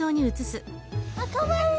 あっかわいい！